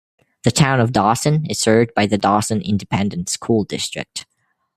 The Town of Dawson is served by the Dawson Independent School District.